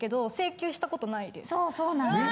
そうそうなんです。